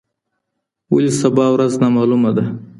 ولي سبا ورځ نامعلومه ده؟